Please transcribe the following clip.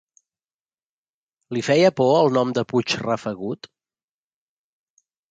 Li feia por el nom de Puigrafegut?